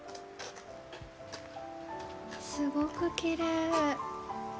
すごくきれい。